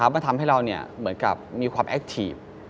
มันทำให้เรามีความแอคทีฟ